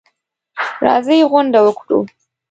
راځئ غونډه وکړو.